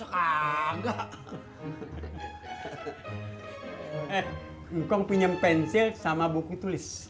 eh engkong pinjem pensil sama buku tulis